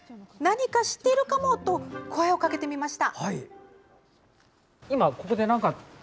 何か知っているかも！と声をかけてみました。